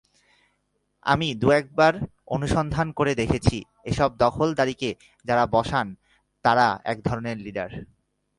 আমি দু-একবার অনুসন্ধান করে দেখেছি, এসব দখলকারীকে যাঁরা বসান, তঁারা একধরনের লিডার।